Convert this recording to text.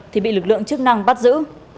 thì bị lực lượng chức năng bắt giữ